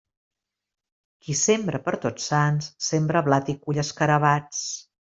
Qui sembra per Tots Sants, sembra blat i cull escarabats.